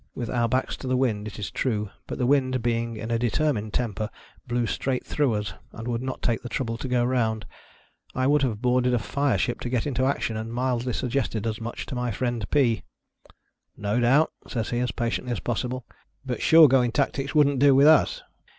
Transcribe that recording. With our backs to the wind, is it true ; but the wind being in a determined temper blew straight through us, and would not take the trouble to go round. I would have boarded a fireship to get into action, and mildly suggested as much to my friend Pea. " No doubt," says he as patiently as pos sible ;" but shore going tactics wouldn't do with us.